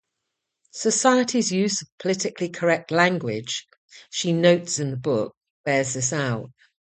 Society's use of politically correct language, she notes in the book, bears this out.